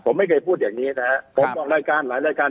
ผมไม่เคยพูดอย่างนี้นะครับผมออกรายการหลายรายการ